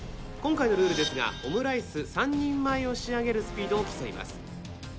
今回のルールですがオムライス３人前を仕上げるスピードを競います。